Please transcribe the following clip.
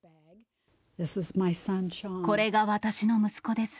これが私の息子です。